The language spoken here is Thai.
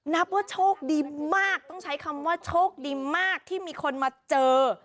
นับว่าโชคดีมากต้องใช้คำว่าโชคดีมากที่มีคนมาเจอ